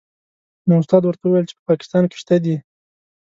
نو استاد ورته وویل چې په پاکستان کې شته دې.